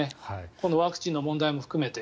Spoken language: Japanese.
このワクチンの問題も含めて。